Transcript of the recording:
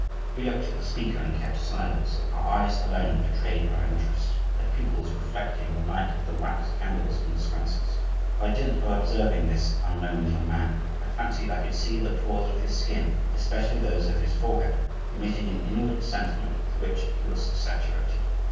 We looked at the speaker and kept silence; our eyes alone betrayed our interest, their pupils reflecting the light of the wax candles in the sconces. By dint of observing this unknown little man, I fancied I could see the pores of his skin, especially those of his forehead, emitting an inward sentiment with which he was saturated.